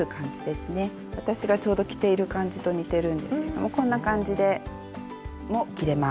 私がちょうど着ている感じと似てるんですけどもこんな感じでも着れます。